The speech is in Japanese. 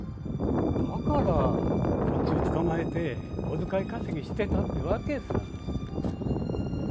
だから昆虫捕まえて小遣い稼ぎしてたってわけさ。